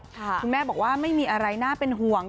คุณแม่บอกว่าไม่มีอะไรน่าเป็นห่วง